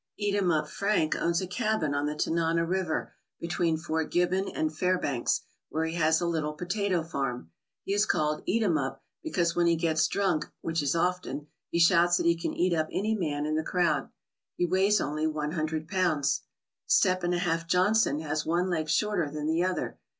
"Eat em up Frank" owns a cabin on the Tanana River between Fort Gibbon and Fairbanks, where he has a little potato farm* He is called " Eat 'em up" because when he gets drunk, which is often, he shouts that he can eat up any man in the crowd. He weighs only one hundred pounds. "Step and a half Johnson" has one leg shorter than the other.